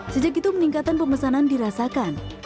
sejak itu peningkatan pemesanan dirasakan